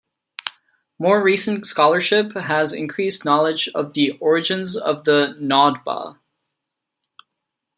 More recent scholarship has increased knowledge of the origins of the Nawdba.